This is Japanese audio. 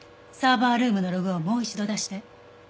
サーバールームのログをもう一度出して。